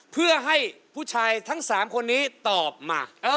เพื่อให้ผู้ชายทั้ง๓คนนี้ตอบมา